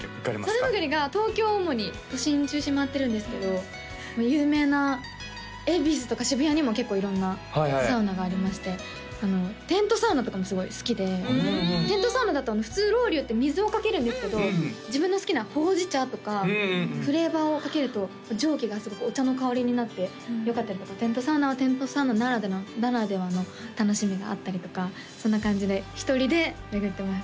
サウナ巡りが東京を主に都心中心に回ってるんですけど有名な恵比寿とか渋谷にも結構色んなサウナがありましてテントサウナとかもすごい好きでふんテントサウナだと普通ロウリュウって水をかけるんですけど自分の好きなほうじ茶とかフレーバーをかけると蒸気がすごくお茶の香りになってよかったりとかテントサウナはテントサウナならではの楽しみがあったりとかそんな感じで１人で巡ってます